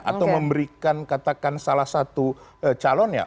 atau memberikan katakan salah satu calonnya